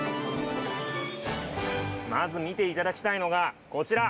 まず見ていただきたいのがこちら。